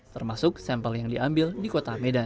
termasuk sampel yang diambil di kota medan